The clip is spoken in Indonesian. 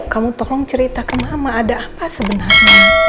kamu tolong cerita ke mama ada apa sebenarnya